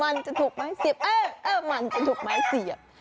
มันจะถูกไม้เสียบมันจะถูกไม้เสียบ